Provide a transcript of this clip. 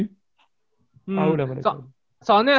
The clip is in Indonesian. tau udah mana itu